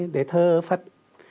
để thơ phật